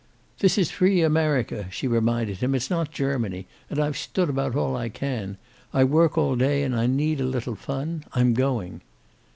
"This is free America," she reminded him. "It's not Germany. And I've stood about all I can. I work all day, and I need a little fun. I'm going."